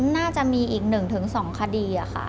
น่าจะมีอีก๑๒คดีค่ะ